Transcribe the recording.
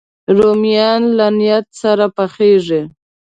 رومیان له نیت سره پخېږي